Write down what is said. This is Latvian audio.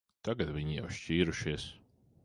Tagad viņi jau šķīrušies.